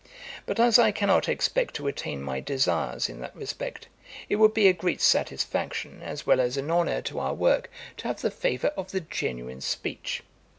But as I cannot expect to attain my desires in that respect, it would be a great satisfaction, as well as an honour to our work to have the favour of the genuine speech.